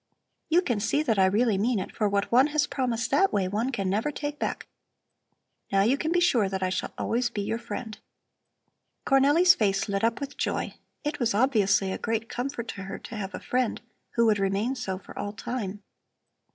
"You can see that I really mean it, for what one has promised that way, one can never take back. Now you can be sure that I shall always be your friend." Cornelli's face lit up with joy. It was obviously a great comfort to her to have a friend who would remain so for all time.